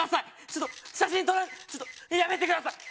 ちょっと写真撮らちょっとやめてください。